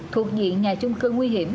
thuộc diện nhà chung cư nguy hiểm